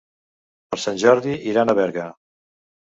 Per Sant Jordi iran a Berga.